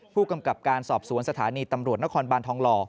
ผู้กำกับการสอบสวนสถานีตำรวจนครบานทองหล่อ